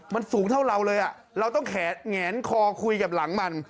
มันสูงเท่าเราเลยเราต้องแงนคอคุยกับหลังมัน